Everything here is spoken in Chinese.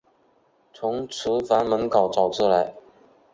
从厨房门口走出来